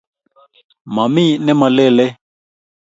mamii nemalelei